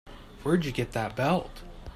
Where'd you get that belt?